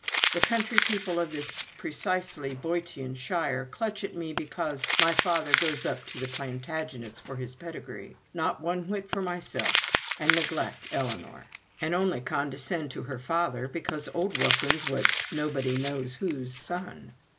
The country people in this precisely Boeotian shire clutch at me because my father goes up to the Plantagenets for his pedigree not one whit for myself and neglect Ellinor; and only condescend to her father because old Wilkins was nobody knows who's son.